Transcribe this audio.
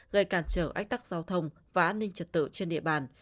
gây cản trở ách tắc giao thông và an ninh trật tự trên địa bàn